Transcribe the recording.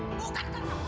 bukan karena uang